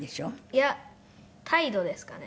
いや態度ですかね。